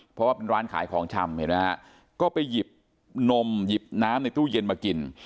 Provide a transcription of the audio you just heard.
เพราะว่าเป็นร้านขายของชำเห็นไหมฮะก็ไปหยิบนมหยิบน้ำในตู้เย็นมากิน